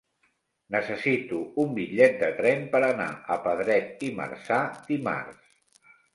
Necessito un bitllet de tren per anar a Pedret i Marzà dimarts.